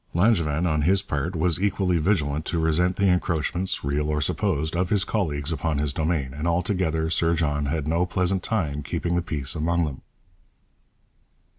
Langevin, on his part, was equally vigilant to resent the encroachments, real or supposed, of his colleagues upon his domain, and altogether Sir John had no pleasant time keeping the peace among them.